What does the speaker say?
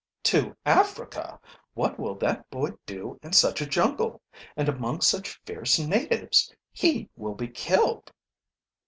"To Africa! What will that boy do in such a jungle, and among such fierce natives? He will be killed!"